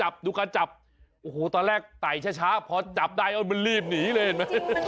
เพราะมันคือลิงนะมันคือลิงลม